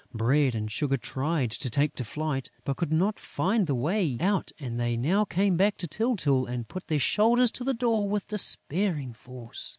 Bread and Sugar tried to take to flight, but could not find the way out; and they now came back to Tyltyl and put their shoulders to the door with despairing force.